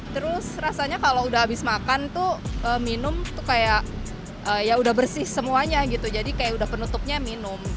terus rasanya kalau udah habis makan tuh minum tuh kayak ya udah bersih semuanya gitu jadi kayak udah penutupnya minum